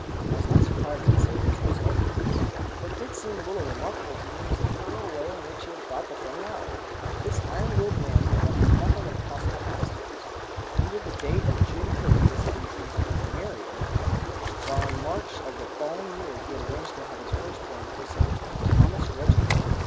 I was not surprised, I say, at this resolve of his. What did seem a little remarkable to me was the thorough way in which he had thought the thing out. This iron willed man recked nothing of possible obstacles. Under the date of June 1st was the entry: "Marry Amelia"; while in March of the following year he had arranged to have his first born christened Thomas Reginald.